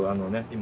今。